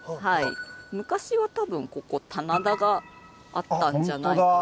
昔は多分ここ棚田があったんじゃないかっていう。